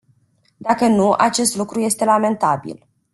Dacă nu, acest lucru este lamentabil.